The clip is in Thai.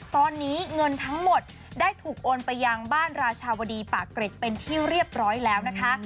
ตอนนี้เงินทั้งหมดได้ถูกโอนไปยังบ้านราชาวดีปากเกร็ดเป็นที่เรียบร้อยแล้วนะคะ